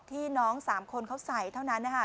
น้อง๓คนเขาใส่เท่านั้นนะคะ